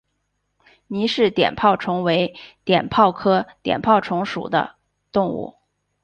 倪氏碘泡虫为碘泡科碘泡虫属的动物。